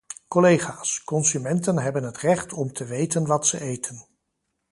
Collega's, consumenten hebben het recht om te weten wat ze eten.